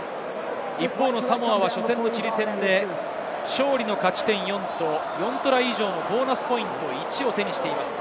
一方のサモアは初戦のチリ戦で勝利の勝ち点４と、４トライ以上のボーナスポイント１を手にしています。